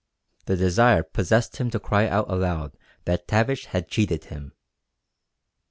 The desire possessed him to cry out aloud that Tavish had cheated him.